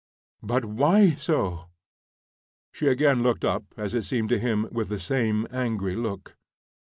"But why so?" She again looked up, as it seemed to him, with the same angry look.